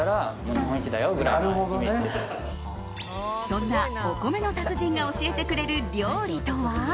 そんなお米の達人が教えてくれる料理とは？